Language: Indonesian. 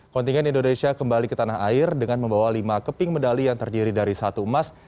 kontingen indonesia kembali ke tanah air dengan membawa lima keping medali yang terdiri dari satu emas